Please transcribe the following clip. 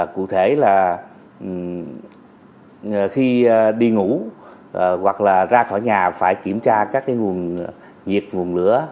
cụ thể là khi đi ngủ hoặc ra khỏi nhà phải kiểm tra các nguồn nhiệt nguồn lửa